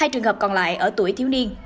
hai trường hợp còn lại ở tuổi thiếu niên